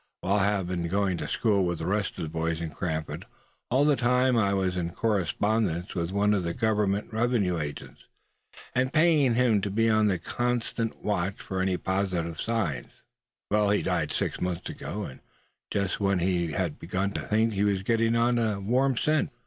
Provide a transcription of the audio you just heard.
While I have been going to school with the rest of the boys in Cranford, all the time I was in correspondence with one of the Government revenue agents, and paying him to be on the constant watch for any positive signs. He died six months ago, and just when he had begun to think he was getting on a warm scent."